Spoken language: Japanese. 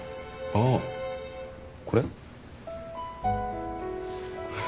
ああこれ？